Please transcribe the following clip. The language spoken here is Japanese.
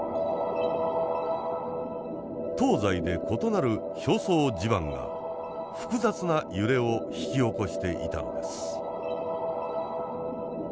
東西で異なる表層地盤が複雑な揺れを引き起こしていたのです。